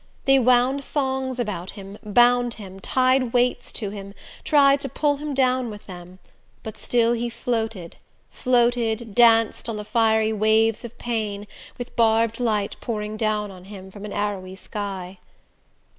They wound thongs about him, bound him, tied weights to him, tried to pull him down with them; but still he floated, floated, danced on the fiery waves of pain, with barbed light pouring down on him from an arrowy sky.